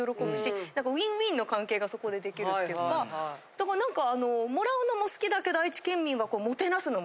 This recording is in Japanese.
だから何か。